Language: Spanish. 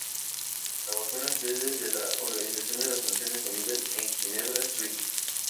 Trabajó en la sede de la Organización de las Naciones Unidas en Ginebra, Suiza.